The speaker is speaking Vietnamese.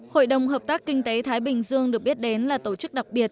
hội đồng hợp tác kinh tế thái bình dương được biết đến là tổ chức đặc biệt